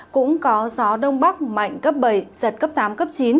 cũng có gió đông bắc mạnh cấp bảy giật cấp tám cấp chín